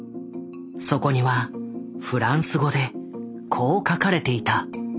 そこにはフランス語でこう書かれていた。